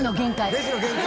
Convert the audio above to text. レジの限界。